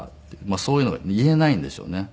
そういうのが言えないんでしょうね。